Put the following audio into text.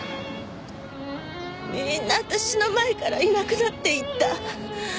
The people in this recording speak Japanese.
みんな私の前からいなくなっていった。